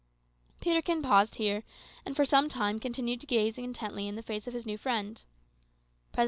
Peterkin paused here, and for some time continued to gaze intently in the face of his new friend.